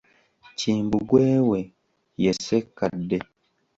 Kimbugwe we ye Ssekkadde.